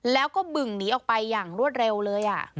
แล้วก็บึ่งหนีออกไปอย่างรวดเร็วเลย